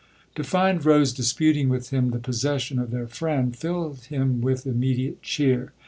To find Rose disputing with him the possession of their friend filled him with imme diate cheer.